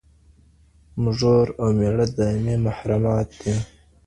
مږور او ميره دائمي محرمات دي